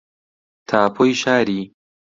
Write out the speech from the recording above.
تاپۆی شاری